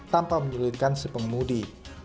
tanpa menyulitkan si pengemudi